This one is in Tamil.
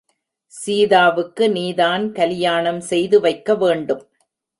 சீதாவுக்கு நீதான் கலியாணம் செய்து வைக்க வேன்டும்.